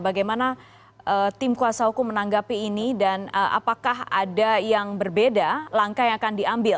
bagaimana tim kuasa hukum menanggapi ini dan apakah ada yang berbeda langkah yang akan diambil